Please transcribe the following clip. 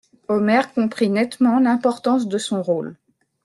Omer comprit nettement l'importance de son rôle.